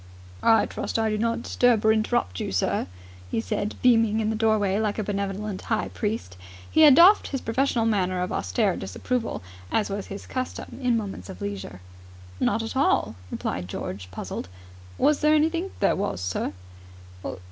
"I trust I do not disturb or interrupt you, sir," he said, beaming in the doorway like a benevolent high priest. He had doffed his professional manner of austere disapproval, as was his custom in moments of leisure. "Not at all," replied George, puzzled. "Was there anything ...?" "There was, sir."